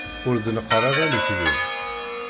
Ur d-neqqar ara d lekdeb.